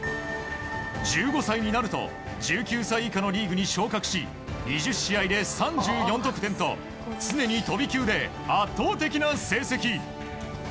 １５歳になると１９歳以下のリーグに昇格し２０試合で３４得点と常に飛び級で圧倒的な成績。